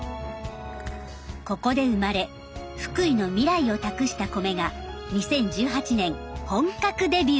ここで生まれ福井の未来を託した米が２０１８年本格デビュー。